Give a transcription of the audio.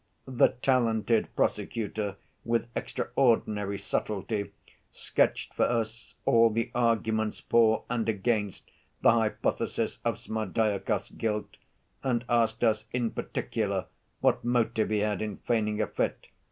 "The talented prosecutor, with extraordinary subtlety, sketched for us all the arguments for and against the hypothesis of Smerdyakov's guilt, and asked us in particular what motive he had in feigning a fit.